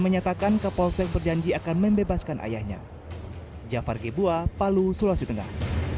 menyatakan kapolsek berjanji akan membebaskan ayahnya jafar gebua palu sulawesi tengah